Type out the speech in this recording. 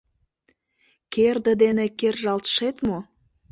Керде дене кержалтшет мо?